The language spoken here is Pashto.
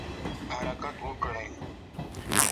حرکت وکړئ